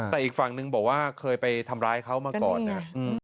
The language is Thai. แต่อีกฝั่งนึงบอกว่าเคยไปทำร้ายเขามาก่อนนะ